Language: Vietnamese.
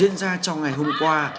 diễn ra trong ngày hôm qua